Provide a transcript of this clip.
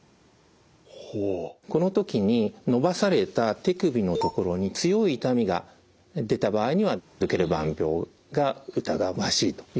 この時に伸ばされた手首のところに強い痛みが出た場合にはドケルバン病が疑わしいということになります。